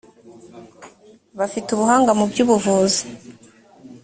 bafite ubuhanga mu by ubuvuzi